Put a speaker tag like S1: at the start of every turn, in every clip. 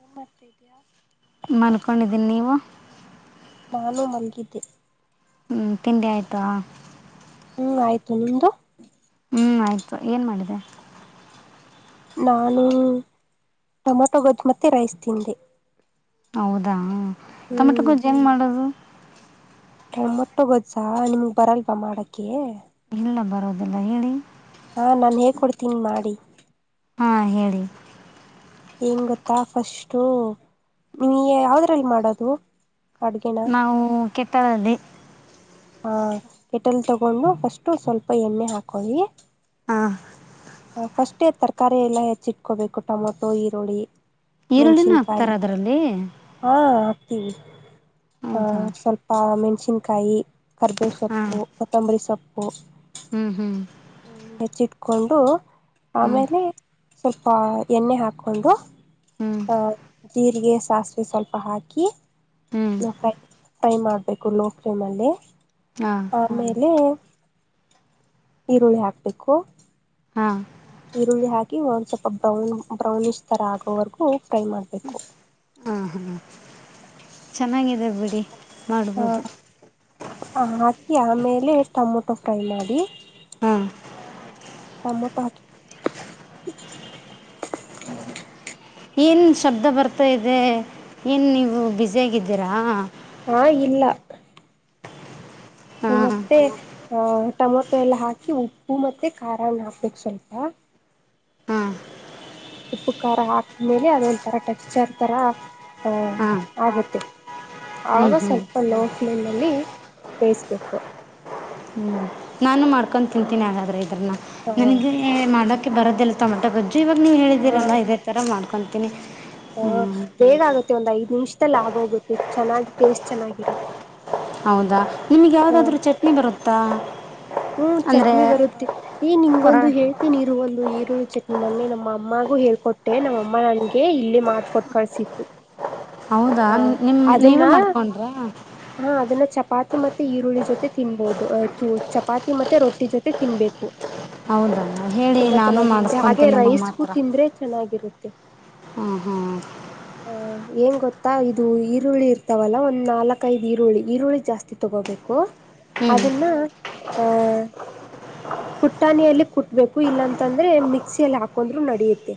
S1: ಏನ್ ಮಾಡ್ತಾ ಇದಿದಯಾ
S2: ಮನ್ಕೊಂಡಿದ್ದೀನಿ ನೀವು
S1: ನಾನು ಮನಗಿದ್ದೆ
S2: ತಿಂಡಿ ಆಯ್ತ
S1: ಹ್ಞೂ ಆಯಿತು ನಿಮ್ಮದು
S2: ಹ್ಞೂ ಆಯಿತು ಏನು ಮಾಡಿದೆ
S1: ನಾನು ಟೊಮೆಟೊ ಗೊಜ್ಜು ಮತ್ತೆ ರೈಸ್ ತಿಂದೆ
S2: ಹೌದಾ ಟೊಮೆಟೊ
S1: ಹ್ಮ್
S2: ಗೋಜ್ಜು ಹೆಂಗ್ ಮಾಡೋದು
S1: ಟೊಮಾಟೋ ಗೊಜ್ಜ ನಿಮಗ್ ಬರಲ್ವಾ ಮಾಡಕ್ಕೆ
S2: ಎಲ್ಲ ಬರೋದೆಲ್ಲ ಹೇಳಿ
S1: ಹಾ ನಾನ್ ಹೇಳ್ ಕೊಡ್ತೀನಿ ಮಾಡಿ
S2: ಹಾ ಹೇಳಿ
S1: ಏಂಗ್ ಗೊತ್ತಾ ಫಸ್ಟು ನಿಮಗೇ ಯಾವದ್ರಲ್ಲಿ ಮಾಡೋದು ಅಡ್ಗೆನ
S2: ನಾವು ಕಾಟಾಳಲ್ಲಿ
S1: ಹಾ ಕೆಟಲ್ ತಗೊಂಡು ಫಸ್ಟು ಸ್ವಲ್ಪ ಎಣ್ಣೆ ಹಾಕೊಳ್ಳಿ
S2: ಹಾ
S1: ಹ ಫಸ್ಟೇ ತರಕಾರಿ ಎಲ್ಲ ಹೆಚ್ಚಿ ಇಟ್ಕೋಬೇಕು ಟೊಮಾಟೊ ಈರುಳ್ಳಿ
S2: ಈರುಳ್ಳಿನ ಹಕ್ತಾರ
S1: ಮೆಣಸಿನ್ಕಾಯಿ
S2: ಅದ್ರಲ್ಲಿ
S1: ತೀ ಹ ಸ್ವಲ್ಪ ಮೆಣ್ಸಿನ್ ಕಾಯಿ ಕರ್ಬೋಸ ಕೊತ್ತಂಬರಿ ಶೊ ಹ
S2: ಹ್ಮ್ ಹ್ಮ್
S1: ಹ ಹೆಚ್ಚಿಟ್ಕೊಂಡು
S2: ಹ್ಞೂ
S1: ಆಮೇಲೆ ಸ್ವಲ್ಪ ಎಣ್ಣೆ ಹಾಕೊಂಡು
S2: ಹ್ಞೂ
S1: ಹ ೀಿಗೆ [inaudible] ಸಾಸಿವೆ ಸ್ವಲ್ಪ ಹಾಕಿ
S2: ಹ್ಞೂ
S1: ನಾ ಕೈ ೈ ಮಾಡ್ತ ಬೇಕು ಲೋ ಫ್ಲೇಮಲ್ಲಿ
S2: ಹಾಂ
S1: ಆಮೇಲೆ ಈರುಳ್ಳಿ ಹಾಕ್ಬೇಕು
S2: ಹಾ
S1: ಈರುಳ್ಳಿಾಕ ಒಂದ್ ಸ್ವಲ್ಪ ಬ್ರೌನ್ ಬ್ರೌನ್ ಇ ಥರ ಆಗೋವರೆಗೂ ಫ್ರೈ ಮಾಡಬೇಕು
S2: ಹ್ಮ ಚೆನ್ನಾಗಿದೆ ಬಿಡಿ ಮಾಡ್ಬೋದು
S1: [inaudible] ಆಮೇಲೆ ಟೊಮೊಟೊ ಫ್ರೈ ಮಾಡಿ
S2: ಹ್ಮ
S1: ತಮ್ಮತಕ
S2: ಏನು ಶಬ್ದ ಬರ್ತಾ ಇದೆ ಏನು ನೀವು ಬ್ಯುಸಿಯಾಗಿದ್ದೀರಾ
S1: ಹಾ ಇಲ್ಲ
S2: ಹಾಂ
S1: ನಮಸ್ತೆ ಆಹ ಟೊಮೊಟೊ ಎಲ್ಲ ಹಾಕಿ ಉಪ್ಪು ಮತ್ತೆ ಖಾರಣ್ಣ ಹಾಕ್ಬೇಕು ಸ್ವಲ್ಪ
S2: ಹಾಂ
S1: ಉಪ್ಪು ಖಾರ ಹಾಕ್ಮೇಲೆ ಅದೊಂಥರ ಟೆಕ್ಸ್ಚರ್ ಥರ
S2: ಹಾಂ
S1: ಆಗುತ್ತೆ
S2: ಹ್ಞೂ
S1: ಆವಾಗ
S2: ಹ್ಞೂ
S1: ಸ್ವಲ್ಪ ಲೋ ಫ್ಲೇಮಲ್ಲಿ ಬೇಯಿಸ್ಬೇಕು
S2: ಹ್ಞೂ ನಾನು ಮಾಡ್ಕೊಂಡ ತಿಂತೀನಿ ಹಾಗಾದ್ರೆ
S1: ಹ
S2: ನನಗೆ ಮಾಡಕ ಬರ ಟಮೊಟ ಗೊಜ್ಜ ಇವಾಗ ನೀವು ಹೇಳಿದೀರಲ್ಲ ಇದೇ ರ ಮಾಡ್ಕೊಂಡು ಇನ್ನು
S1: ಹ ಬೇಗ ಆಗತ್ತೆ ಒಂದ್ ಐದು ನಿಮಿಷದಲ್ಲಿ ಆಗೋಗುತ್ತೆ ಚೆನ್ನಾಗಿ ಟೇಸ್ಟ್ ಚೆನ್ನಾಗಿರುತ್ತೆ
S2: ಹೌದಾ ನಿಮ್ಗೆ ಯಾವ್ದಾದ್ರು ಚಟ್ನಿ ಬರುತ್ತಾ ಹ
S1: ಹ್ಮ ಚಟ್ನಿ ಬರುತ್ತೆ ಈ
S2: ರ
S1: ನಿಂಗೊಂದು ಹೇಳ್ತೀನಿ ಇರು ಒಂದು ಈರುೂಳ್ಳಿ ಚಟ್ನಿ ಮನೆಿ ನಮ್ಮ ಅಮ್ಮಾಗೂ ಹೇಳ್ಕೊಟ್ಟೆ ನಮ್ಮಮ್ಮ ನನ್ಗೆ ಇಲ್ಲಿ ಮಾಡಕೊಟ್ ಕಳ್ಸಿತ್ತು
S2: ಹೌದಾ
S1: ಹ
S2: ನಿಮ ನೀವೇ
S1: ಅದನ್ನ
S2: ಮಾಡ್ಕೊಂಡ್ರ
S1: ಹಾ ಅದನ್ನ ಚಪಾತಿ ಮತ್ತೆ ಈರುಳ್ಳಿ ಜೊತೆ ತಿನ್ಬಹುದು ಆಯತು ಚಪಾತಿ ಮತ್ತೆ ರೊಟ್ಟಿ ಜೊತೆ ತಿನ್ಬೇಕು
S2: ಹೌದ್ರ ಹೇಳಿ
S1: ತುಂಬಾ
S2: ನಾನು
S1: ಚೆನ್ನಾಗಿರುತ್ತೆ ಹಾಗೆ
S2: ಮಾಡಿಸಕೊಂತೀನಿ ನಮ್ಮಮ್ಮ
S1: ರೈಸ್ಗೂ
S2: ಹತ್ರ
S1: ತಿಂದ್ರೆ ಚೆನ್ನಾಗಿರುತ್ತೆ
S2: ಹಾ ಹಾ್
S1: ಏಗೆ ಗೊತ್ತತ್ತು ತ್ತ ಇದು ಈರುಳ್ಳಿ ಇರ್ತಾವಲ್ಲ ಒಂದ್ ನಾಲ್ಕೈದು್ ಈರುಳ್ಳಿ ಈರುಳ್ಳಿ ಜಾಸ್ತಿ ತಗೋಬೇಕು
S2: ಹ್ಞೂ ಹ್ಞೂ
S1: ಅದನ್ನ ಆಹ್ ಕುಟ್ಟಾಣಿಯಲ್ಲಿ ಕುಟ್ಬೇಕು ಇಲ್ಲಾಂತಂದ್ರೆ ಮಿಕ್ಸಿಯಲ್ಲಿ ಹಾಕೊಂಡ್ರು ನಡಿಯುತ್ತೆ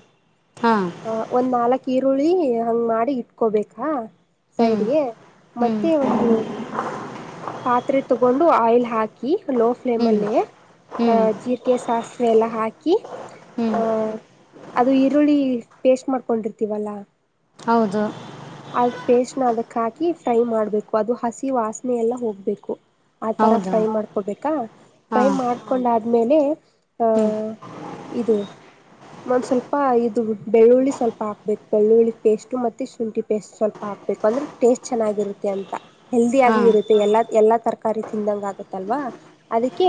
S2: ಹಾಂ
S1: ಆ ಒಂದ್ ನಾಲ್ಕ್ ಈರುಳ್ಳಿ ಹಂಗ್ ಮಾಡಿ ಇಟ್ಕೋಬೇಕು
S2: ಹ್ಞೂ
S1: ಸೈಡ್ಗೆ
S2: ಹ್ಞೂ
S1: ಮತ್ತೆ ಒಂದು ಪಾತ್ರೆ ತಗೊಂಡು ಆಯಿಲ್ ಹಾಕಿ ಲೋ ಫ್ಲೇಮ್
S2: ಹ್ಞೂ
S1: ಅಲ್ಲಿ
S2: ಹ್ಞೂ
S1: ಅಹ ಜೀಕೆ ಸಾಸಿವೆಲ್ಲ ಹಾಕಿ
S2: ಹ್ಞೂ
S1: ಆಹ ಅದು ಈರುಳ್ಳಿ ಪೇಸ್ಟ್ ಮಾಡ್ಕೊಂಡಿರ್ತೀವಲ್ಲಾ
S2: ಹೌದು
S1: ಅದು ಪೇಸ್ಟ್ ನ ಅದಕ್ ಹಾಕಿ ಫ್ರೈ ಮಾಡ್ಬೇಕು ಅದು ಹಸಿ ವಾಸನೆ ಎಲ್ಲ ಹೋಗ್ಬೇಕು ಆ ತರ
S2: ಹೌದಾ
S1: ಫ್ರೈ ಮಾಡ್ಕೊಬೇಕು ಫ್ರೈ
S2: ಹಾಂ
S1: ಮಾಡ್ಕೊಂಡಾದ್ಮೇಲೆ
S2: ಹ್ಞೂ
S1: ಆಹ ಇದು ಒಂದ್ ಸ್ವಲ್ಪ ಇದು ಬೆಳ್ಳುಳ್ಳಿ ಸ್ವಲ್ಪ ಹಾಕ್ಬೇಕು ಬೆಳ್ಳುಳ್ಳಿ ಪೇಸ್ಟ್ು ಮತ್ತೆ ಶುಂಠಿ ಪೇಟ್ ಸ್ವಲ್ಪ ಹಾಕ್ಬೇಕು ಅಂದ್ರೆ ಟೇಸ್ಟ್ ಚೆನ್ನಾಗಿರುತ್ತೆ ಅಂತ ಹೆಲ್ದಿಿಯಾಗು
S2: ಹಾಂ
S1: ಇರುತ್ತೆ ಎಲ್ಲಾ ಎಲ್ಲಾ ತರಕಾರಿ ತಿಂದಂಗ ಆಗತ್ತಲ್ವಾ ಅದಕ್ಕೆ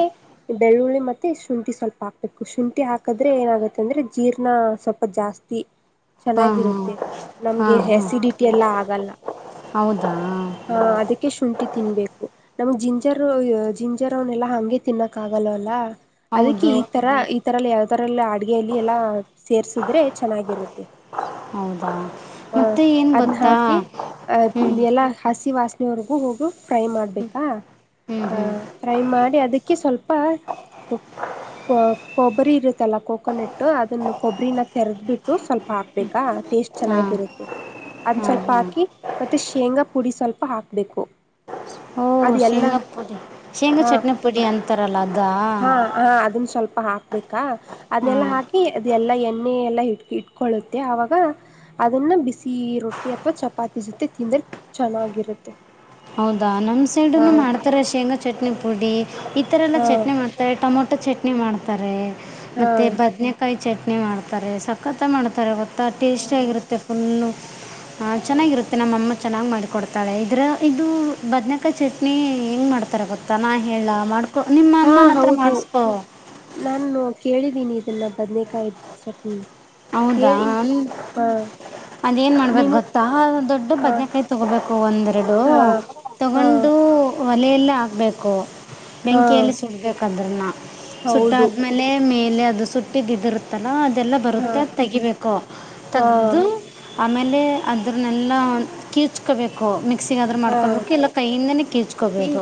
S1: ಬೆಳ್ಳುಳ್ಳಿ ಮತ್ತೆ ಶುಂಠಿ ಸ್ವಲ್ಪ ಹಾಕ್ಬೇಕು ಶುಂಠಿ ಹಾಕದ್ರೆ ಏನಾಗುತ್ತೆ ಅಂದ್ರೆ ಜೀರ್ಣ ಸ್ವಲ್ಪ ಜಾಸ್ತಿ
S2: ಹಾ
S1: ಚೆನ್ನಾಗಿರುತ್ತೆ
S2: ಹಾ ಹಾ
S1: ನಮ್ಗೆ
S2: ಹಾ
S1: ಅಸಿಡಿಿ ಇಲ್ಲ ಆಗಲ್ಲ
S2: ಹೌದಾ
S1: ಆ ಅದಕ್ಕೆ ಶುಂಠಿ ತಿನ್ಬೇಕು ನಮಗ್ ಜಿಂಜರ್ ಜಿಂಜರ್ ಅವನ್ನಲ್ಲಾ ಹಗೆ ತಿನ್ನಕ್ ಆಗಲ್ಲ ಅಲ್ಲ ಅದಕ್ಕೆ
S2: ಹೌದು
S1: ಈ ತರ ತರಲ್ಲಿ ಯಾವತರಲ್ಲಿ ಅಡ್ಗೆಯಲ್ಲಿ ಎಲ್ಲಾ ಸೇರ್ಸುದ್ರೆ ಚೆನ್ನಾಗಿರುತ್ತೆ
S2: ಹೌದಾ
S1: ಹಾ
S2: ಮತ್ತೆ ಏನು
S1: ಅದನ್ನ
S2: ಗೊತ್ತಾ
S1: ಹಾಕಿ ಅ
S2: ಹ್ಞೂ
S1: ಎಲ್ಲ ಹಸಿ ವಾಸನೆ ವರೆಗೂ ಹೋಗಿ ಫ್ರೈ ಮಾಡಬೇಕಾ
S2: ಹ್ಞೂ ಹ್ಞೂ
S1: ಫ್ರೈ ಮಾಡಿ ಅದಕ್ಕೆ ಸ್ವಲ್ಪ ಕೊಬ್ಬರಿ ಇರುತ್ತಲ್ಲ ಕೊೋಕೊನಟ್ಟು ಅದನ್ನು ಕೊಬ್ಬರಿನ ತೆರೆದಬಿಟ್ಟು ಸ್ವಲ್ಪ ಹಾಕ್ಬೇಕಾ ಟೇಸ್ಟ್
S2: ಹಾಂ
S1: ಚೆನ್ನಾಗಿರುತ್ತೆ ಅದ್
S2: ಹಾಂ
S1: ಸ್ವಲ್ಪ
S2: ಹಾಂ
S1: ಹಾಕಿ ಮತ್ತೆ ಶೇಂಗಾ ಪುಡಿ ಸ್ವಲ್ಪ ಹಾಕ್ಬೇಕು
S2: ಓ
S1: ಅದ ಎಲ್ಲ
S2: ಶೇಂಗಾ ಪುಡಿ ಶೇಂಗಾ
S1: ಹಾ
S2: ಚಟ್ನಿ ಪುಡಿ ಅಂತಾರಲ್ಲ ಅದ
S1: ಹಾ ಹಾ ಅದನ್ ಸ್ವಲ್ಪ ಸ್ವಲ್ಪ ಹಾಕ್ಬೇಕಾ ಅದನೆಲ್ಲಾ
S2: ಹಾಂ
S1: ಹಾಕಿ ಅದೆ ಎಲ್ಲಾ ಎಣ್ಣೆ ಎಲ್ಲಾ ಇಟ್ ಇಟ್ಕೊಳ್ಳುತ್ತೆ ಆವಾಗ ಅದನ್ನ ಬಿಸಿ ರೊಟ್ಟಿ ಅಥವಾ ಚಪಾತಿ ಜೊತೆ ತಿಂದ್ರೆ ಚೆನ್ನಾಗಿರುತ್ತೆ
S2: ಹೌದಾ ನಮ್ ಸೈಡ್
S1: ಹಾ
S2: ಮಾಡ್ತಾರ ಶೇಂಗಾ ಚಟ್ನಿ ಪುಡಿ ಈತರ ಎಲ್ಲಾ
S1: ಹಾ
S2: ಚಟ್ಿ್ತಾರೆ ಟಮೋಟೋ ಪುಟ್ಟ ಚಟ್ನಿ ಮಾಡ್ತಾರೆ
S1: ಹಾ
S2: ಮತ್ತೆ ಬದನಕಾಯಿ ಚಟ್ನಿ ಮಾಡ್ತಾರೆ ಸಕ್ಕತ್ತ ಮಾಡ್ತಾರೆ ಗೋ ಟೇಸ್ಟಿಯ ಆಗಿರುತ್ತೆ ಫುಲ್ಲು ಹಾ ಚೆನ್ನಾಗಿರುತ್ತೆ ನಮ್ಮಮ್ಮ ಚೆನ್ನಾಗ್ ಮಾಡಿಕ ಕೊಡ್ತಾಳೆ ಇದ್ರ ಇದು ಬದನೇಕಾಯಿ ಚಟ್ನಿ ಹೆಂಗ ಮಾಡ್ತಾರೆ ಗೊತ್ತಾ ನಾ ಹೇಳ ಮಾಡ್ ನಿಮ್ಮ
S1: ಹಾ
S2: ಅಮ್ಮನ ಹತ್ರ ಮಾಡಿಸ್ಕೊ
S1: ಕೇಳಿದೀನಿ ಇದೆಲ್ಲ ಬದ್ನೇಕಾಯಿ ಚಟ್ನಿ
S2: ಹೌದಾ
S1: ಕೇಳಿ ಹಾ
S2: ಅದೇನು ಮಾಡ್ಬೇಕು
S1: ನೀವು
S2: ಗೊತ್ತಾ ದೊಡ್ಡ
S1: ಹಾ
S2: ಬದನೆೇಕಾಯಿ ತೊಗೋಬೇಕು ಒಂದೆರಡು
S1: ಹಾ ಹಾ
S2: ತಗೊಂಡು ಒಲೆಯೆಲ್ಲ ಆಗಬೇಕು
S1: ಹಾ
S2: ಬೆಂಕಿಯಲ್ಲಿ ಸುಡ್ಬೇಕಂತ ಅದನ್ನ ಸುಟ್ಟ
S1: ಹೌದು
S2: ಆದ್ಮೇಲೆ ಮೇ ಲ್ಲಿ ಅದು ಸುಟ್ಟಿದ ಇದಿರುತ್ತ ಅದೆಲ್ಲ
S1: ಹಾ
S2: ತೆಗಿಬೇಕು
S1: ಹಾ
S2: ತೆೆಗದು ಆಮೇಲೆ ಅದ್ರನ್ನೆಲ್ಲ ಕೀಚ್ಕೋಬೇಕು ಮಿಕ್ ಮಿಕ್ಸಿಂಗ ಆದ್ರು
S1: ಹಾ
S2: ಮಾಡ್ಕೊಬೇಕು ಇಲ್ಲ ಕೈಯಿಂದನೇ ಕೀಚ್ಕೋಬೋದು.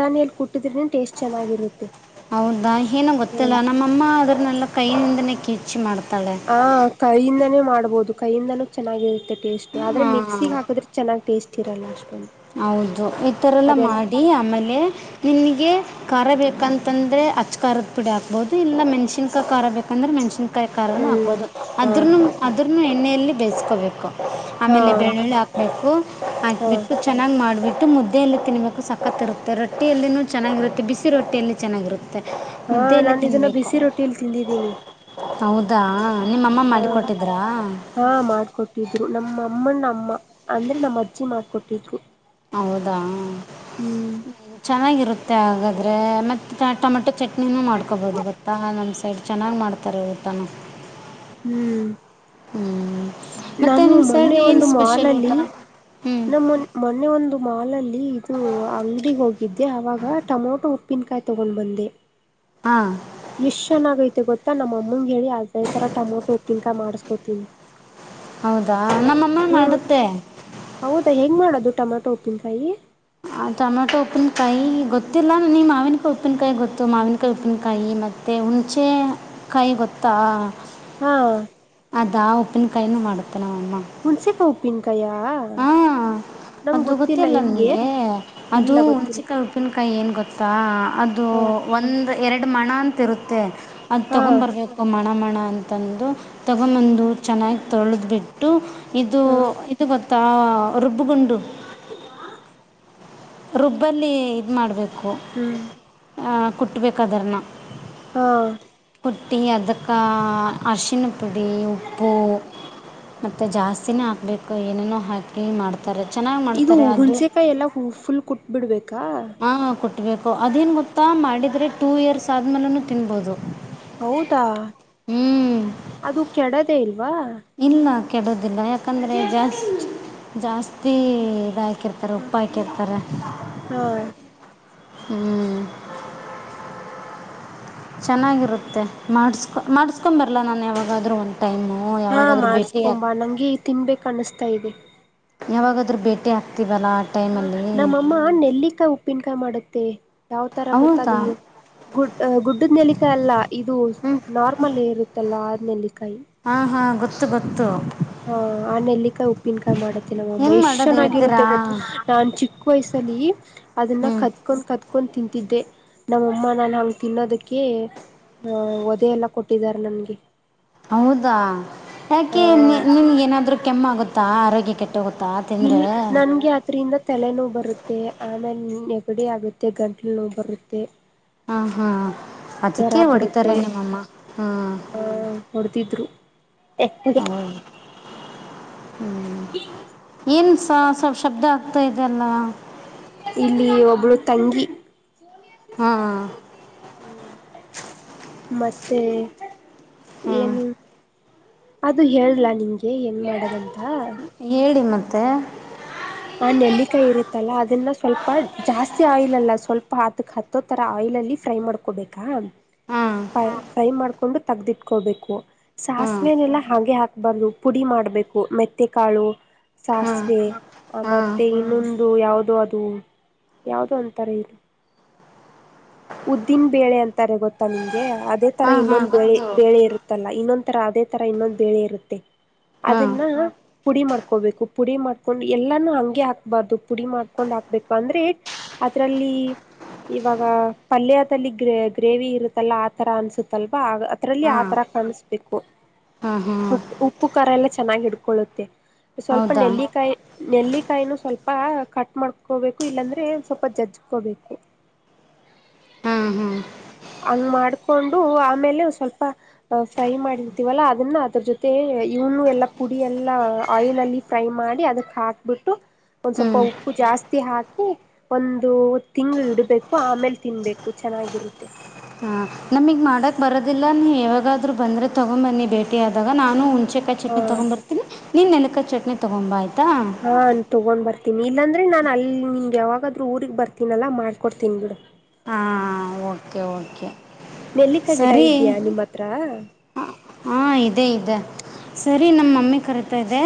S1: ತಾನಿಯಲ್ಲಿ ಕುಟ್ಟಿದ್ರನ ಟೇಸ್ಟ್ ಚೆನ್ನಾಗಿರುತ್ತೆ
S2: ಹೌದಾ ಏನು ಗೊತ್ತಿಲ್ಲ ನಮ್ಮಅಮ್ಮ ಆದ್ರ ನ ಕೈಯಿಂದನೇ ಕಿಚಿ ಮಾಡ್ತ್
S1: ಹಾ ಕೈಯಿಂದನೇ ಮಾಡ್ ಮಾಡ್ಬಹುದು ಕೈಯಿಂದನೂ ಚೆನ್ನಾಗಿರುತ್ತೆ ಕಿಚ್ಚ್ ಆದ್ರೆ
S2: ಹಾಂ
S1: ಮಿಕ್ಸಿ ಹಾಕಿದ್ರೆ ಚೆನ್ನಾಗ್ ಟೇಸ್ಟ್ ಇರಲ್ಲ ಅಷ್ಟೊಂದು
S2: ಹೌದು, ಈಥರೆಲ್ಲ
S1: ಅದೆಲ್ಲ
S2: ಮಾಡಿ ಆಮೇಲೆ ನಿನಿಗೆ ಖಾರ ಬೇಕಂತಂದ್ರೆ ಅಚ್ ಖಾರದ ಪುಡಿ ಹಾಕ್ಬಹುದು ಇಲ್ಲ ಮೆಣ್ಸನ್ಕ ಖಾರ ಬೇಕಂದ್ರೆ ಮೆಣಸಿನ್ ಕೈ ಕಾರನು
S1: ಹ್ಮ್
S2: ಹಾಕ್ಬಹುದು
S1: ಹಾ
S2: ಅದ್ರ್ನು ಅದ್ರ್ನು ಎಣ್ಣೆಯಲ್ಲಿ ಬೇಯಿಸ್ಕೋಬೇಕು.
S1: ಹಾ
S2: ಆಮೇಲೆ ಬೆಳ್ಳುಳ್ಳಿ ಹಾಕ್ಬೇಕು
S1: ಹಾ
S2: ಹಾಕ್ಬಿಟ್ಟು ಮಾಡಿಬಿಟ್ಟು ಮುದ್ದೆಯಲ್ಲಿ ತಿನ್ಬೇಕು ಸಕ್ಕತ್ತ್ ಇರುತ್ತೆ ರೊಟ್ಟಿಯಲ್ಲಿೂ ಚೆನ್ನಾಗಿರುತ್ತೆ ಬಿಸಿ ರೊಟ್ಟಿಯಲ್ಲಿ ಚೆನ್ನಾಗಿರುತ್ತೆ
S1: ಹಾ
S2: ಮುದ್ದೆಯಲ್ಲೇ
S1: ನಾನು ಇದನ್ನ
S2: ತಿನ್ನಬೇಕು
S1: ಬಿಸಿ ರೊಟ್ಟಿಲ್ ತಿಂದಿದ್ದೀನಿ
S2: ಹೌದಾ ನಿಮ್ಮಮ್ಮ
S1: ಹಾ
S2: ಮಾಡಿಕೊಟ್ಟಿದ್ದರಾ
S1: ಹಾ ಮಾಡ್ಕೊಟ್ಟಿದ್ರು ನಮ್ ಅಮ್ಮ್ ಅಮ್ಮಣ್ಣಮ್ಮ ಅಂದ್ರೆ ನಮ್ಮ ಅಜ್ಜಿ ಮಾಡ್ಕೊಟ್ಟಿದ್ರು
S2: ಹೌದಾ ಹ್ಮ್
S1: ಹ್ಮ್
S2: ಚೆನ್ನಾಗಿರುತ್ತೆ ಹಾಗಾದ್ ಏ ಮತ್ತ್ ಟ ಟಮೊಟ್ ಚಟ್ನಿನೂ ಮಾಡ್ಕೊಬೋದು ಗೊತ್ತಾ ನಮ್ಮ್ ಸೈಡು ಚೆನ್ನಾಗ್ ಮಾಡ್ತಾರೆ ಊಟನ
S1: ಹ್ಮ್
S2: ಹ್ಮ್
S1: ನಾನು ಮೊನ್ನೆ ಒಂದು
S2: ಊಟ
S1: ಮಾಲಲ್ಲಿ
S2: ಹ್ಞೂ
S1: ನಮ್ಮ್ ಮೊನ್ನ್ ಮೊನ್ನೆ ಒಂದು ಮಾಲಲ್ಲಿ ಇದು ಅಂಗಡಿ ಹೋಗಿದ್ದೆ ಅವಾಗ ಟೊಮೊಟೊ ಉಪ್ಪಿನಕಾಯಿ ತಗೊಂಡ್ ಬಂದೆ
S2: ಹಾಂ
S1: ಎಷ್ಟ್ ಚೆನ್ನಾಗೈತೆ ಗೊತ್ತ್ ತ್ತ ನಮ್ಮಂಗ ಹೇಳಿ ಅದೇ ತರ ಟಮೊಟೊ ಉಪಿಂಕ ಮಾಡ್ಸ್ಕೋತೀನಿ
S2: ಹೌದಾ ನಮ್ಮಮ್ಮ ಮಾಡುತ್ತೆ
S1: ಟಮಟೊ ಒಪ್ಪಿನ್ಕಾಯಿ
S2: ಆ ಟೊಮ್ಯಾಟೊ ಉಪ್ಪಿನಕಾಯಿ ಗೊತ್ತಿಲ್ಲ ನನಗೆ ಮಾವಿನಕಾಯಿ ಉಪ್ಪಿನಕಾಯಿ ಗೊತ್ತು ಮಾವಿನಕಾಯಿ ಉಪ್ಪಿನಕಾಯಿ ಮತ್ತೆ ಹುಣಚೇ ಕಾಯಿ ಗೊತ್ತಾ
S1: ಹಾ
S2: ದ ಉಪ್ಪಿನ್ಕಾಯಿನ ಮಾಡುತ್ತ್
S1: ಹುಣ್ಸೆಕಾ ಉಪ್ಪು
S2: ಹಾ ಅದು ಗೊತ್ತಿಲ್ಲ ನಿಮಗೆ ಅದು
S1: ಇಲ್ಲ ಗೊತ್ತಿಲ್ಲ
S2: ಹುಣ್ಚಿಕಾಯಿ ಉಪ್ಪಿನಕ ಅಕ್ಕ ಏನ್ ಗೊತ್ತಾ ಅದು
S1: ಹಾ
S2: ಒಂದು ಎರಡು ಎಡ್ ಮಣ ಅಂತ ಇರುತ್ತೆ ಅ
S1: ಹಾ
S2: ತಗೊಂಡ ಬರಬೇಕು ಮನ ಮಣ ಅಂತಂದು ತಗೊಂದು ಚೆನ್ನಾಗಿ ತೊಳೆದ್ ಬಿಟ್ಟು ಇದು
S1: ಹಾ
S2: ಇದು ಗೊತ್ತ ತಾ ರುಬ್ಬಗುಂಡು
S1: ರಾ
S2: ರುಬ್ಬಲ್ಲಿ ಇದ್ ಮಾಡ್ಬೇಕು
S1: ಹ್ಮ್
S2: ಹ ಕುಟ್ಬೇಕದರನ್ನ
S1: ಹಾ
S2: ಹಟ್ಟಿ ಅದಕ್ಕ ಅರಶಿನ ಪುಡಿ ಉಪ್ಪು ಮತ್ತೆ ಜಾಸ್ತಿನೇ ಹಾಕ್ಬೇಕು ಏನೇನೋ ಹಾಕಿ ಮಾಡ್ತ
S1: ಇದು ಹುಣ್ಸೆಕಾಯಿ ಎಲ್ಲ ಫುಲ್ ಕುಟ್ಬಿಡ್ಬೇಕಾ
S2: ಹಾ ಕೊಟ್ಬೇಕು ಅದೇನ್ ಗೊತ್ತಾ ಮಾಡಿದ್ರೆ ಟೂ ಇಯರ್ಸ್ ಆದ್ಮೇಲನು ತಿನ್ಬೋದು
S1: ಹೌದಾ
S2: ಹ್ಞೂ
S1: ಅದು ಕೆಡದೆೇ ಇಲ್ವಾ
S2: ಇಲ್ಲ ಕೆಡುವುದಿಲ್ಲ ಯಾಕಂದ್ರೆ ಜಾಸ್ ಜಾಸ್ತಿ ಇದ ಹಾಕಿರ್ತಾರೆ ಉಪ್ಪ ಹಾಕಿರ್ತಾರೆ
S1: ಹಾ
S2: ಹ್ಮ್ ಚೆನ್ನಾಗಿರುತ್ತೆ ಮಾಡಸ್ಕೊ ಮಾಡಿಸಸ್ಕೊ್ಂಬರಲ್ಲ ನಾನು ಯಾವಾಗಾದರೂ ಒಂದು ಟೈಮು
S1: ಹಾ
S2: ಯಾವಾಗಾದರೂ ಭೇಟಿ ಆಗಿ
S1: ಮಾಡಸ್ಕೊಂಬ ನಂಗೆ ತಿನ್ಬೇಕ ಅನಿಸ್ತಾ ಇದೆ
S2: ಯಾವಾಗಾದ್ರೂ ಬೇಟೆ ಆಗ್ತಿವಿ
S1: ಹಾ ನಮ್ಮಮ್ಮ ನೆಲ್ಲಿಕಾಯಿ ಉಪ್ಪಿನಕಾಯಿ ಮಾಡುತ್ತ [unintelligible] ಯಾವ್ ತರ
S2: ಹೌದಾ
S1: ಗೊತ್ತಾದ ಗುಡ್ ಗುಡ್ಡದ ನೆಲಿಕ ಅಲ್ಲ ಇದು ನಾರ್ಮಲ್ ಇರುತ್ತಲ್ಲ ನೆಲ್ಲಿಕಾಯಿ
S2: ಹಾ ಹಾ ಗೊತ್ತ ಗೊತ್ತು ಗೊತ್ತು
S1: ಹಾ ಆ ನೆಲ್ಲಿಕಾಯಿ ಉಪ್ಪಿನಕಾಯಿ ಮಾಡತ್ತೆ ನಮ್ಮಮ್ಮ
S2: ಹೆಂಗೆ
S1: ಎಷ್ಟ
S2: ಮಾಡೋದು ಹೇಳ್ತೀರಾ
S1: ಚೆನ್ನಾಗಿರುತ್ತೆ ಗೊತ್ತು ನಾನ್ ಚಿಕ್ಕ ವಯ್ಸಲ್ಲಿ ಅದನ್ನ
S2: ಹ್ಞೂ
S1: ಕದ್ಕೊಂಡು ಕತ್ ಕದ್ಕೊಂಡು ತಿಂತಿದ್ದೆ ನಮ್ಮಮ್ಮ ನಾನು ಅವಗೆ ತಿನ್ನೋದಕ್ಕೆ ಒದೆ ಎಲ್ಲ ಕೊಟ್ಟಿದ್ದಾರೆ ನನ್ಗೆ
S2: ಹೌದಾ ಯಾಕೆ
S1: ಆ
S2: ನಿಮ್ಗೆ ಏನಾದ್ರು ಕೆಮ್ಮ ಆಗುತ್ತೆ ಹಾ ಆರೋಗ್ಯಕ್ಕೆಟ್ಟ
S1: ಇಲ್ ನನ್ಗೆ ಅದರಿಂದ ತಲೆನೋ ಬರುತ್ತೆ ಆಮೇಲೆ ನೆಗಡಿ ಆಗುತ್ತೆ ಗಂಟ್ಲು ನೋವು ಬರುತ್ತೆ
S2: ಹಾ ಹಾ
S1: ಜ್ವರ
S2: ಅದಕ್ಕೆೇ ಹೊಡಿತಾರೆ
S1: ಬರುತ್ತೆ
S2: ನಿಮ್ಮಮ್ಮ ಹ್ಮ
S1: ಆ ಹೊಡೆದಿದ್ರು [unintelligible]
S2: ಹ್ಮ್ ಏನ್ ಸ ಸ್ ಶಬ್ದ ಆತ ಇದೆಲ್ಲ
S1: ಇಲ್ಲಿ ಒಬ್ಬಳು ತಂಗಿ
S2: ಹ್ಮ್
S1: ಮತ್ತೆ ಏನು ಅದು ಹೇಳಲ ನಿಂಗೆ ಏನ್ ಮಾಡದಂತ
S2: ಹೇಳಿ ಮ ತ್ತ
S1: ಆ ನೆಲ್ಲಿಕಾಯಿ ಇರುತ್ತಲ್ಲ ಅದನ್ನ ಸ್ವಲ್ಪ ಜಾಸ್ತಿ ಆಯಿಲ್ ಅಲ್ಲ ಸ್ವಲ್ಪ ಹತ್ತಕ್ ಹತ್ತೋ ತರ ಆಯಿಲಲ್ಲಿ ಫ್ರೈ ಮಾಡ್ಕೊಬೇಕಾ
S2: ಹಾಂ
S1: ಫೈ ಮಾಡ್ಕೊ ಕೊಂಡು ತೆಗ್ದಿಟ್ಕೋಬೇಕು
S2: ಹಾಂ
S1: ಸಾಸಿವೆನೆಲ್ಲ ಹಾಗೆ ಹಾ ಬರ ಪುಡಿ ಮಾಡ್ಬೇಕು ಮೆತ್ತಕಾಳು
S2: ಹಾಂ
S1: ಸಾಸ್ವೆೆ
S2: ಹಾಂ
S1: ಮತ್ತೆ ಇನ್ನೊಂದು ಯಾವುದೋ ಅದು ಯಾವುದೋ ಅಂತಾರೆ ಇದು ಉದ್ದನ್ ಬೇಳೆ ಅಂತಾರೆ ಗೊತ್ತಾ ನಿಮಗೆ ಅ ಅದೇ ತರ
S2: ಹಾಂ ಹಾಂ
S1: ಇನ್ನೊಂದು ಬೆಳೆ
S2: ಗೊತ್ತು
S1: ಬೆಳೆ ಇರುತ್ತಲ್ಲ ಇನ್ನೊಂದು ನ ತರ ಅದೇ ತರ ಇನ್ನೊಂದು ಬೇಳೆ ಇರುತ್ತೆ
S2: ಹಾಂ
S1: ಅದನ್ನ ಪುಡಿ ಮಾಡ್ಕೊಬೇಕು ಪುಡಿ ಮಾಡ್ಕೊಂಡು ಎಲ್ಲಾನೂ ಹಂಗೆ ಹಾಕ್ಬಾರ್ದು ಪುಡಿ ಮಾಡ್ಕೊಂಡ್ ಹಾಕ್ಬೇಕು ಅಂದ್ರೆ ಅದ್ರಲ್ಲಿ ಇವಾಗ ಪಲ್ಯದಲ್ಲಿ ಗ್ರ ಗ್ರೇವಿ ಇರುತ್ತಲ್ಲ ಆ ಥರ ಅನಿಸುತ್ತಲ್ವಾ ಆ ಅದರಲ್ಲಿ ಆ
S2: ಹಾಂ
S1: ಥರ ಕಾಣಿಸ್ಬೇಕು
S2: ಹಾಂ ಹಾಂ
S1: ಉಪ್ಪು ಖಾರ ಎಲ್ಲ ಚೆನ್ನಾಗಿ ಹಿಡ್ಕೊಳ್ಳುತ್ತೆ ಸ್ವಲ್ಪ
S2: ಹೌದಾ
S1: ನೆಲ್ಲಿಕಾಯಿ ನೆಲ್ಲಿಕಾಯಿನ ಸ್ವಲ್ಪ ಕಟ್ ಮಾಡ್ಕೋಬೇಕು ಇಲ್ಲಾಂದ್ರೆ ಸ್ವಲ್ಪ ಜಜ್ಜ್ಕೋಬೇಕು
S2: ಹಾಂ ಹಾಂ
S1: ಹಂಗ್ ಮಾಡ್ಕೊಂಡು ಆಮೇಲೆ ಸ್ವಲ್ಪ ಫ್ರೈ ಮಾಡಿರ್ತೀವಲ್ಲ ಅದನ್ನ ಅದ್ರ ಜೊತೆ ಇವನು ಎಲ್ಲಾ ಪುಡಿ ಎಲ್ಲಾ ಆಯಿಲ್ಲ್ಲಿ ಫ್ರೈ ಮಾಡಿ ಅದಕ್ ಹಾಕ್ಬಿಟ್ಟು ಒಂದ್ ಸ್ವಲ್ಪ
S2: ಹ್ಞೂ
S1: ಉಪ್ಪು ಜಾಸ್ತಿ ಹಾಕಿ ಒಂದು ತಿಂಗಳ ಇಡ್ಬೇಕು ಆಮೇಲೆ ತಿನ್ಬೇಕು ಚೆನ್ನಾಗಿರುತ್ತೆ
S2: ನಮಗ್ ಮಾಡಕ್ ಬರೋದಿಲ್ಲ ನೀ ಯಾವಾಗಾದ್ರು ಬಂದ್ರೆ ತಗೊಂಡ್ಂಬನ್ನಿ ಭೇಟಿ ಆದಾಗ ನಾನುಚ ಚ
S1: ಹ
S2: ಚಟ್ನಿ ತಗೊಂಡ್ ನೆನ ಚಟನೀ ತಗೊಂಬ ಆಯತು
S1: ಹಾನ್ ತಗೊಂಡ್ ಬರಿ ಇಲ್ಲಾಂದ್ರೆ ನಾನನ್ ಅಲ್ಲಿ ನಿಗ ಯಾವಾಗಾದ್ರೂ ಊಗ್ ಬರ್ತೀನಲ್ಲ ಮಾಡ್ಕೊಡ್ತೀನಿ ಬಿಡ
S2: ಓಕೆ ಓಕೆ
S1: ನೆಲ್ಲಿಕಾ ಗಿಡ ಇದ್ಯಾ ನಿಮ್ಮ ಹತ್ರ
S2: ಹಾ ಇದೇ ಇದೆ ಸರಿ ನಮ್ಮ ಮಮ್ಮಿ ಕರತಾ ಇದೆ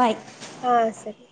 S2: ಬಾಯ್.
S1: ಹಾ ಸರಿ.